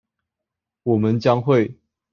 我們將會